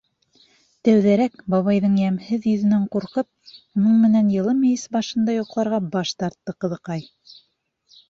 Тәүҙәрәк бабайҙың йәмһеҙ йөҙөнән ҡурҡып, уның менән йылы мейес башында йоҡларға баш тартты ҡыҙыҡай.